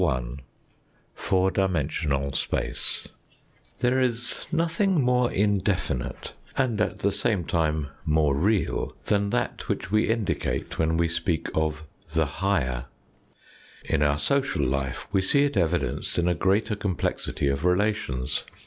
A LANGUAGE OF SPACE 248 THE FOURTH DIMENSION CHAPTER I POUR DIMENSIONAL SPACE THERE is nothing more indefinite, and at the same time more real, than that which we indicate when we speak of the " higher." In our social life we see it evidenced in a greater complexity of relations.